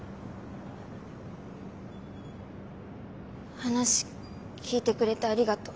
話聞いてくれてありがとう。